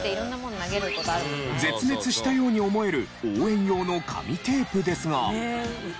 絶滅したように思える応援用の紙テープですが。